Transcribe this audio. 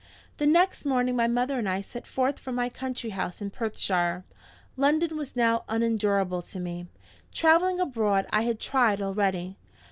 The next morning my mother and I set forth for my country house in Perthshire. London was now unendurable to me. Traveling abroad I had tried already.